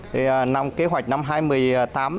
trước khi vào vụ sản xuất muối năm hai nghìn một mươi tám